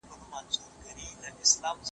هغه څوک چي موبایل کاروي پوهه زياتوي،